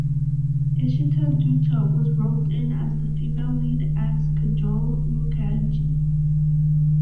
Ishita Dutta was roped in as the female lead as Kajol Mukherjee.